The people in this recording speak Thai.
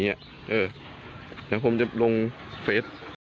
เดี๋ยวผมจะลงเฟส